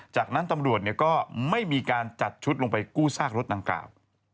จากนั้นตำรวจก็ไม่มีการจัดชุดลงไปกู้ซากรถดังกล่าว